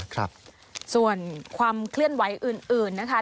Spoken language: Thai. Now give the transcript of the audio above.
ครับส่วนความเคลื่อนไหวอื่นอื่นนะคะ